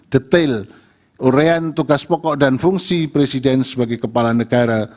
detail urean tugas pokok dan fungsi presiden sebagai kepala negara